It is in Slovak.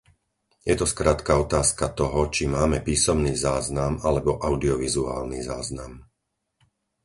Je to skrátka otázka toho, či máme písomný záznam alebo audiovizuálny záznam.